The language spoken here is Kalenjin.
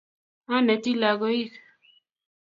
aneti lagoik